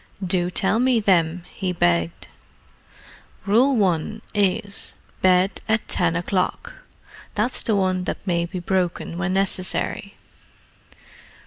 "Do tell me them," he begged. "Rule 1 is, 'Bed at ten o'clock.' That's the one that may be broken when necessary.